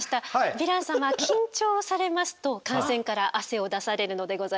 ヴィラン様緊張されますと汗腺から汗を出されるのでございます。